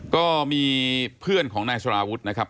ก็มีเพื่อนของนายสารวุฒินะครับ